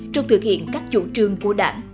trong thực hiện các chủ trương của đảng